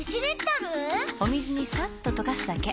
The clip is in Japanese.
お水にさっと溶かすだけ。